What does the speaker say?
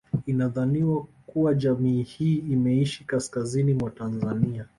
Inadhaniwa kuwa jamii hii imeishi kaskazini mwa Tanzania